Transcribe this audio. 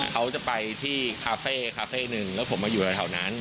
เขาจะไปที่คาเฟ่คาเฟ่หนึ่งแล้วผมมาอยู่ในแถวนั้น